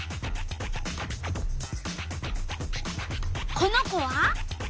この子は？